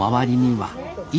はい。